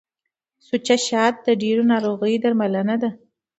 سوچه شات د ډیرو ناروغیو درملنه ده.